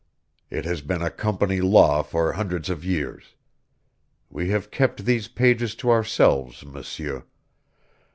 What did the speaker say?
It has been a company law for hundreds of years. We have kept these pages to ourselves, M'seur.